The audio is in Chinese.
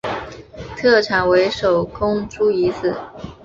特产为手工猪胰子。